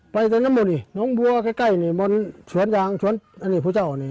ไปที่น้ำมุนิน้องบัวใกล้นี่บนชวนยางชวนพุทธเจ้านี่